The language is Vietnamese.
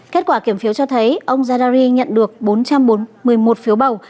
kết quả kiểm phiếu cho thấy ông zardari nhận được bốn trăm một mươi một phiếu bầu